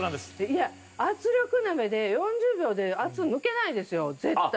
いや圧力鍋で４０秒で圧抜けないですよ絶対。